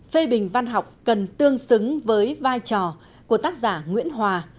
phê bình văn học cần tương xứng với vai trò của tác giả nguyễn hòa